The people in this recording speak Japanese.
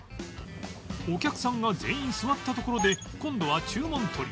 お客さんが全員座ったところで今度は注文取り